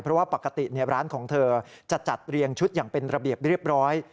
เพราะว่าปกติร้านของเธอจะจัดเรียงชุดอย่างเป็นระเบียบเรียบร้อย